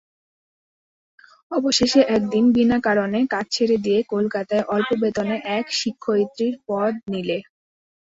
অবশেষে একদিন বিনা কারণে কাজ ছেড়ে দিয়ে কলকাতায় অল্প বেতনে এক শিক্ষয়িত্রীর পদ নিলে।